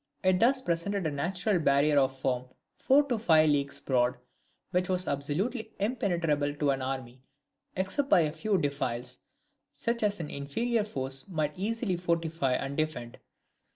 It thus presented a natural barrier of from four to five leagues broad, which was absolutely impenetrable to an army, except by a few defiles, such as an inferior force might easily fortify and defend.